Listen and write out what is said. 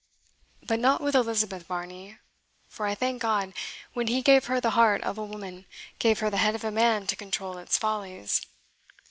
But not with Elizabeth, Varney for I thank God, when he gave her the heart of a woman, gave her the head of a man to control its follies.